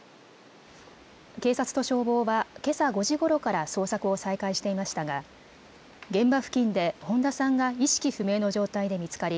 警察と消防は、けさ５時ごろから捜索を再開していましたが現場付近で本田さんが意識不明の状態で見つかり